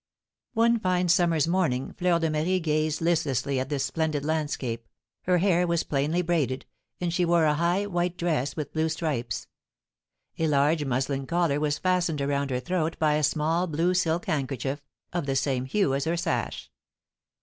One fine summer's morning Fleur de Marie gazed listlessly at this splendid landscape; her hair was plainly braided, and she wore a high, white dress with blue stripes; a large muslin collar was fastened around her throat by a small blue silk handkerchief, of the same hue as her sash.